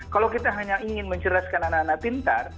kalau kita hanya ingin mencerdaskan anak anak pintar